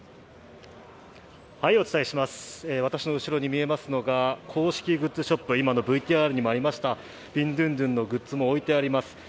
私の後ろに見えますのが公式グッズショップ、今のＶＴＲにもありましたビンドゥンドゥンのグッズも置いてあります。